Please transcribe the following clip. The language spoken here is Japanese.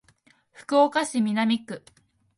福岡市南区